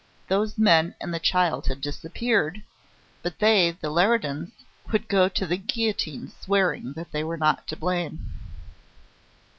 Those men and the child had disappeared, but they (the Leridans) would go to the guillotine swearing that they were not to blame.